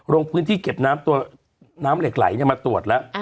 ลงพื้นที่เก็บน้ำตัวน้ำเหล็กไหลมาตรวจแล้ว